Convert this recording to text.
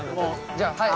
じゃあはい！